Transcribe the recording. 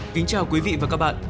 kính chào quý vị và các bạn